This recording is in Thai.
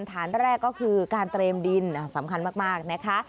ฐานแรกก็คือการเตรียมดินสำคัญมากนะคะ